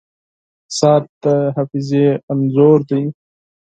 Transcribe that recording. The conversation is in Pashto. • ساعت د حافظې انځور دی.